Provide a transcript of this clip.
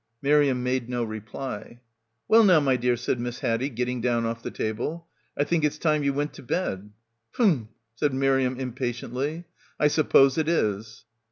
Miriam made no reply. "Well now, my dear," said Miss Haddie, getting down off the table, "I think it's time ye went to bed." "Phm," said Miriam impatiently, "I suppose it is."